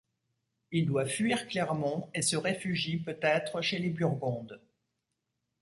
Il doit fuir Clermont et se réfugie, peut-être, chez les Burgondes.